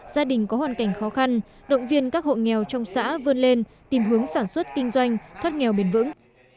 gia đình có hoàn cảnh khó khăn động viên các hộ nghèo trong xã vươn lên tìm hướng sản xuất kinh doanh thoát nghèo bền vững